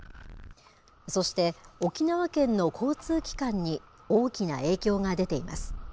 そして沖縄県の交通機関に大きな影響が出ています。